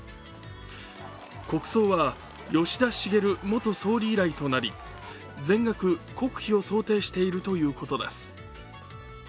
国葬は吉田茂元総理以来となり全額国費を想定しているということです。